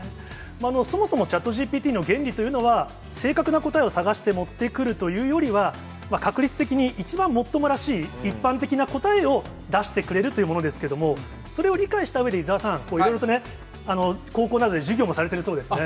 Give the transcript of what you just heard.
そもそもチャットＧＰＴの原理というのは、正確な答えを探して持ってくるというよりは、確率的に一番もっともらしい、一般的な答えを出してくれるというものですけども、それを理解したうえで、伊沢さん、いろいろとね、高校などで授業もされてるそうですね。